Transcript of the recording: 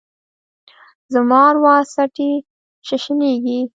زما اروا څټي ششنیږې